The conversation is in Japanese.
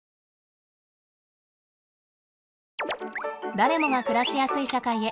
誰もが暮らしやすい社会へ。